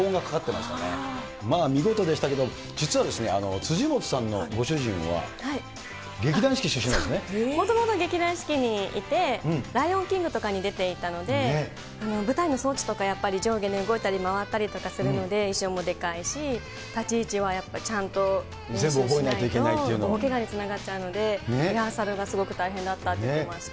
まあ、見事でしたけども、実はですね、辻元さんのご主人は、もともと劇団四季にいて、ライオンキングとかに出ていたので、舞台の装置とかやっぱり上下に動いたり、回ったりとかするので、衣装もでかいし、立ち位置はやっぱりちゃんと練習しないと、大けがにつながっちゃうので、リハーサルがすごく大変だったって聞きました。